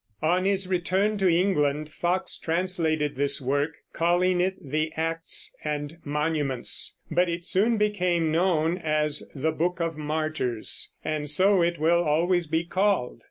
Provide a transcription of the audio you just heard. On his return to England Foxe translated this work, calling it the Acts and Monuments; but it soon became known as the Book of Martyrs, and so it will always be called.